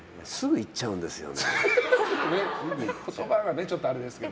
言葉がちょっとあれですけど。